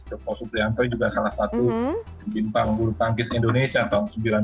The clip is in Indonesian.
tepok suplianto juga salah satu bintang guru tangkis indonesia tahun sembilan puluh an